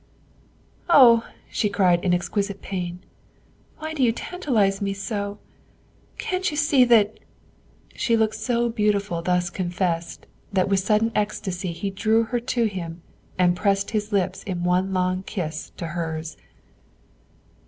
"Oh," she cried in exquisite pain, "why do you tantalize me so can't you see that " She looked so beautiful thus confessed that with sudden ecstacy he drew her to him and pressed his lips in one long kiss to hers.